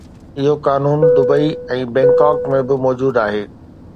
اهو قانون Dubai ۽ Bangkok ۾ به موجود آهي.